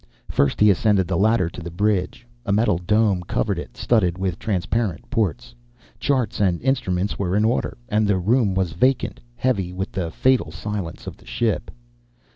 First he ascended the ladder to the bridge. A metal dome covered it, studded with transparent ports. Charts and instruments were in order. And the room was vacant, heavy with the fatal silence of the ship.